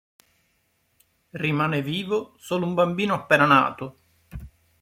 Rimane vivo solo un bambino appena nato.